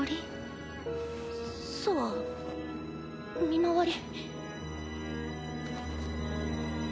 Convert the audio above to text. そう見回り。